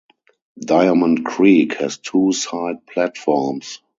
Diamond Creek has two side platforms.